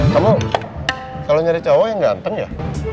kamu kalau nyari cowok yang ganteng ya